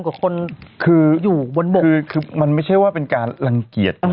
กว่าคนคืออยู่บนบกคือมันไม่ใช่ว่าเป็นการรังเกียจ